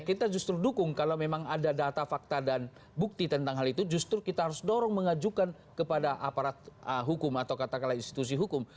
kita justru dukung kalau memang ada data fakta dan bukti tentang hal itu justru kita harus dorong mengajukan kepada aparat hukum atau katakanlah institusi hukum